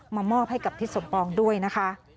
มอบให้กับทิศสมปองด้วยนะคะ